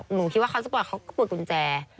หนูคิดว่าเขาจะปล่อยเขาก็ปลดกุญแจ